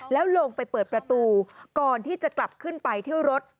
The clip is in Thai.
แล้วลงไปเปิดประตูก่อนที่จะกลับขึ้นไปเที่ยวรถ